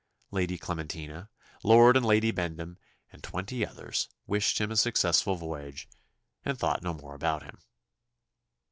Lady Clementina, Lord and Lady Bendham, and twenty others, "wished him a successful voyage," and thought no more about him.